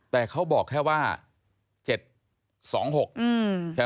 แต่เขาบอกแค่ว่า๗๒๖ใช่ไหม